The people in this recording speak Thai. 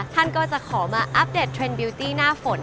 ท่านก็จะขอมาอัปเดตเทรนดิวตี้หน้าฝน